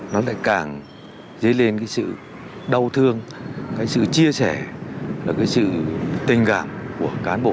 nó lại càng dấy lên cái sự đau thương cái sự chia sẻ và cái sự tình cảm của cán bộ